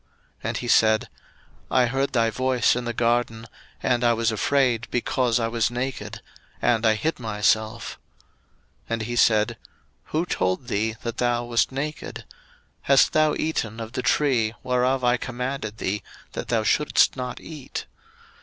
01:003:010 And he said, I heard thy voice in the garden, and I was afraid, because I was naked; and I hid myself. 01:003:011 And he said, Who told thee that thou wast naked? Hast thou eaten of the tree, whereof I commanded thee that thou shouldest not eat?